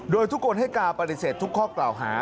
โดยทุกคนให้การปฏิเสธทุกข้อกล่าวหา